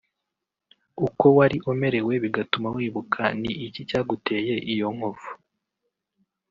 uko wari umerewe bigatuma wibuka ni iki cyaguteye iyo nkovu